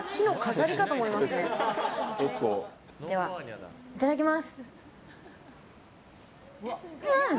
では、いただきます。